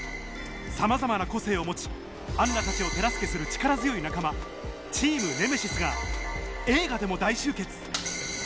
さまざまな個性を持ちアンナたちを手助けする力強い仲間チームネメシスが映画でも大集結